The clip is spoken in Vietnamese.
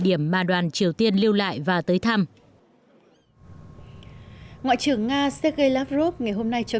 điểm mà đoàn triều tiên lưu lại và tới thăm ngoại trưởng nga sergei lavrov ngày hôm nay cho